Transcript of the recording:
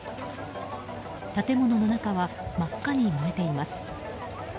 建物の中は真っ赤に燃えています。